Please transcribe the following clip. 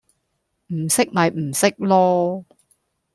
唔識咪唔識囉